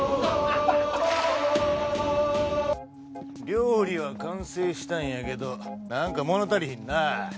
料理は完成したんやけど何か物足りひんなぁ。